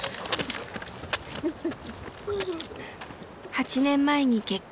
８年前に結婚。